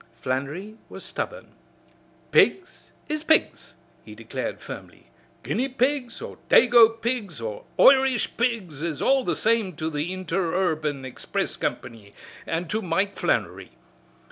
Flannery was stubborn. "Pigs is pigs," he declared firmly. "Guinea pigs, or dago pigs or Irish pigs is all the same to the Interurban Express Company an' to Mike Flannery.